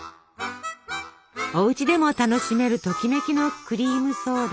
おうちでも楽しめるときめきのクリームソーダ。